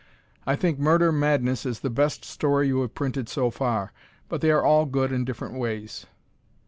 I think "Murder Madness" is the best story you have printed so far, but they are all good in different ways.